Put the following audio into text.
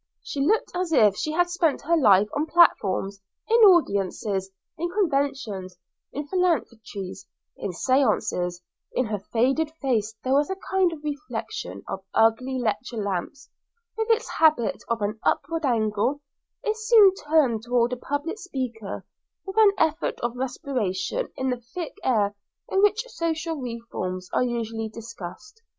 She looked as if she had spent her life on platforms, in audiences, in conventions, in phalansteries, in séances; in her faded face there was a kind of reflexion of ugly lecture lamps; with its habit of an upward angle, it seemed turned toward a public speaker, with an effort of respiration in the thick air in which social reforms are usually discussed.